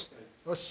よし！